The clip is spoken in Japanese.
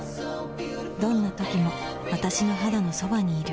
どんな時も私の肌のそばにいる